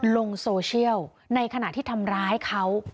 ลงโซเชียลในขณะที่ทำร้ายเขา